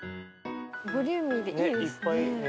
ボリューミーでいいですね。